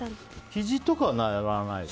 ひじとかは鳴らないの？